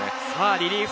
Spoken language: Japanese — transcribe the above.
リリーフ